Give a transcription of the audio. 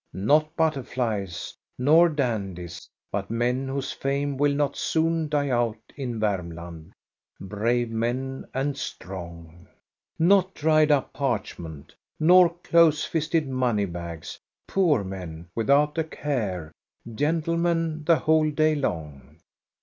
Not butterflies nor dandies, but men whose fame will not soon die out in Varmland ; bnU^e men and strong. g* Not dried up parchment, nor close fisted money bags ; poor men, witliout a care, gentlemen th| whole day long.